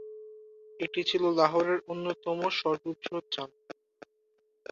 এটি ছিল লাহোরের অন্যতম সর্ববৃহৎ জানাজা।